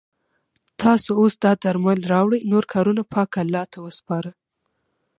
تاسو اوس دا درمل راوړئ نور کارونه پاک الله ته وسپاره.